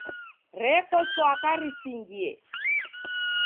Reko chwaka risingie.